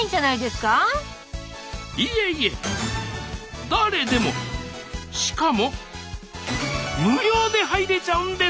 いえいえ誰でもしかも無料で入れちゃうんです！